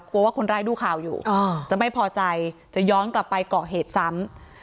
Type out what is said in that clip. ว่าคนร้ายดูข่าวอยู่จะไม่พอใจจะย้อนกลับไปเกาะเหตุซ้ำ